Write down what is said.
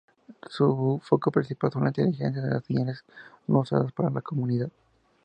Su foco principal son la inteligencia de las señales no usadas para la comunicación.